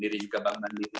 diri juga bang mandiri